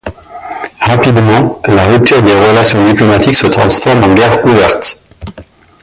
Rapidement la rupture des relations diplomatiques se transforme en guerre ouverte.